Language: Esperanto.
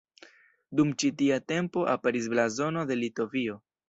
Dum ĉi tia tempo aperis Blazono de Litovio.